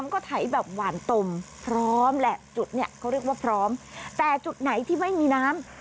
เขาเรียกว่าพร้อมแต่จุดไหนที่ไม่มีน้ำ